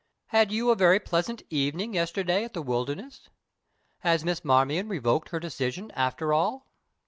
Had you a very pleasant evening yesterday at 'The Wilderness'? Has Miss Marmion revoked her decision after all?"